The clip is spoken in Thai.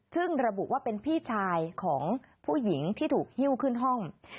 ซึ่งระบุว่าเป็นพี่ชายของผู้หญิงที่ถูกหิ้วขึ้นห้อง